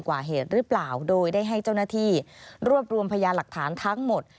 กว่าเหตุหรือเปล่าโดยได้ให้เจ้าหน้าที่รวบรวมพยาหลักฐานทั้งหมด